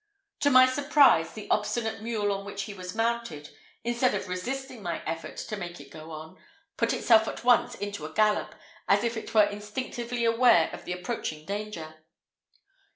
To my surprise, the obstinate mule on which he was mounted, instead of resisting my effort to make it go on, put itself at once into a gallop, as if it were instinctively aware of the approaching danger.